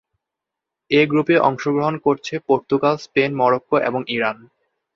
এই গ্রুপে অংশগ্রহণ করছে পর্তুগাল, স্পেন, মরক্কো এবং ইরান।